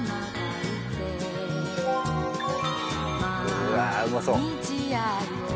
うわあうまそう！